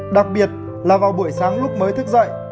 đặc biệt là vào buổi sáng lúc mới thức dậy